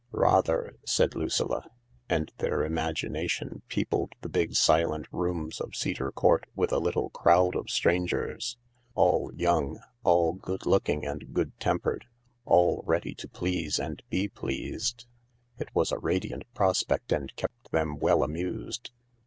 "Rather," said Lucilla, and their imagination peopled the big, silent rooms of Cedar Court with a little crowd of strangers, all young, all good looking and good tempered, all ready to please and be pleased. It was a radiant prospect and kept them well amused.